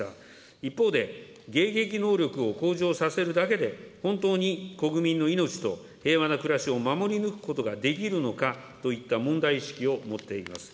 一方で、迎撃能力を向上させるだけで本当に国民の命と平和な暮らしを守り抜くことができるのかといった問題意識を持っています。